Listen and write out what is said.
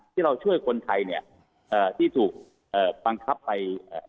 ที่เราช่วยคนไทยเนี่ยเอ่อที่ถูกเอ่อบังคับไปเอ่อ